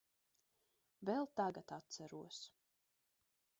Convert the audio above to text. Vēl tagad atceros.